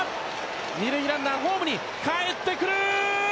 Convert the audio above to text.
二塁ランナー、ホームに帰ってくる！